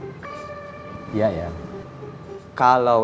pura pura tanpa masalah